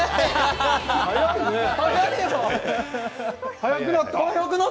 早くなった。